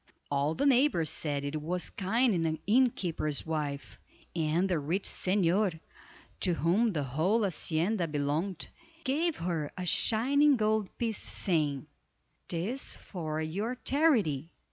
All the neighbors said it was kind in the innkeeper's wife, and the rich señor, to whom the whole hacienda belonged, gave her a shining gold piece, saying: "'Tis for your charity."